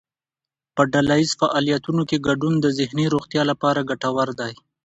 په ډلهییز فعالیتونو کې ګډون د ذهني روغتیا لپاره ګټور دی.